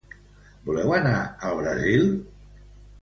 Voleu anar al Brasil?